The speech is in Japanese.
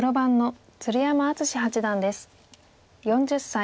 ４０歳。